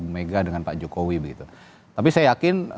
mega dengan pak jokowi begitu tapi saya yakin